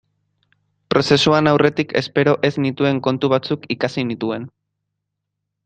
Prozesuan aurretik espero ez nituen kontu batzuk ikasi nituen.